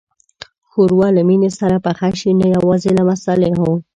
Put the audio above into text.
ښوروا له مینې سره پخه شي، نه یوازې له مصالحو.